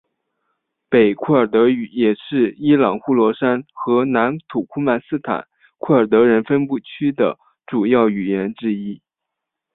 北库尔德语也是伊朗呼罗珊和南土库曼斯坦库尔德人分布区的主要语言之一。